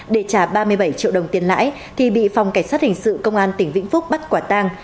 để trả ba mươi bảy triệu đồng tiền lãi thì bị phòng cảnh sát hình sự công an tỉnh vĩnh phúc bắt quả tang